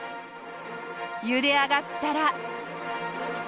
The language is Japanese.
茹で上がったら。